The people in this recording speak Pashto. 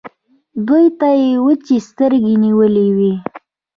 دوی ته يې وچې سترګې نيولې وې.